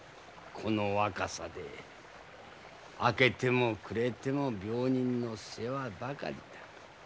この若さで明けても暮れても病人の世話ばかりだ。